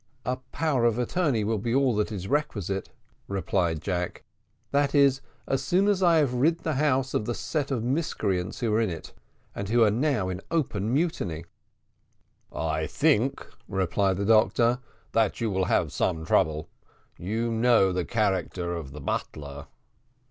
"A power of attorney will be all that is requisite," replied Jack; "that is, as soon as I have rid the house of the set of miscreants who are in it, and who are now in open mutiny." "I think," replied the doctor, "that you will have some trouble. You know the character of the butler."